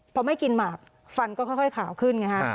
พอไม่กินหมากฟันก็ค่อยขาวขึ้นไงฮะ